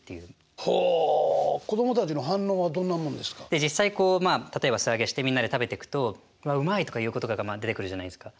実際こうまあ例えば素揚げしてみんなで食べてくとうまいとかいう言葉がまあ出てくるじゃないですか。